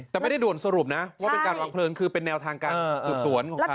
แต่ไม่ได้ด่วนสรุปนะว่าเป็นการวางเพลิงคือเป็นแนวทางการสืบสวนของเขา